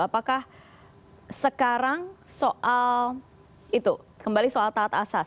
apakah sekarang soal itu kembali soal taat asas